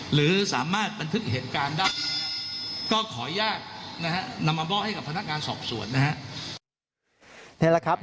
หรือสามารถบันทึกเหตุการณ์ได้ก็ขออนุญาตนะฮะนำมามอบให้กับพนักงานสอบสวนนะฮะ